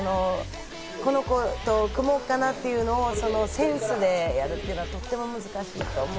この子と組もうかなっていうのをセンスでやるっていうのは、とても難しいと思う。